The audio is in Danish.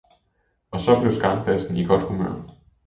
Og så blev skarnbassen i godt humør.